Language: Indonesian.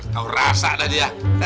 tau rasa tadi ya